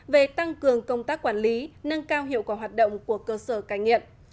về tăng cường công tác quản lý nâng cao hiệu quả hoạt động của cơ sở cai nghiện